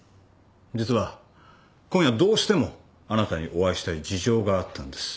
実は今夜どうしてもあなたにお会いしたい事情があったんです。